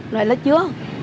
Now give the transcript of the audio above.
nói là chưa